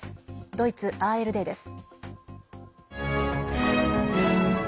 ドイツＡＲＤです。